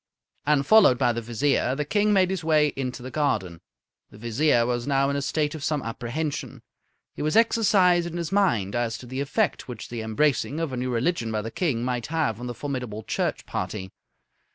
And, followed by the Vizier, the King made his way into the garden. The Vizier was now in a state of some apprehension. He was exercised in his mind as to the effect which the embracing of a new religion by the King might have on the formidable Church party.